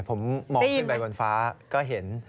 ผมมองเป็นใบวันฟ้าก็เห็น